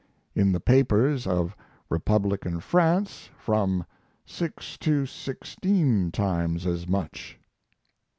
In the papers of Republican France from six to sixteen times as much.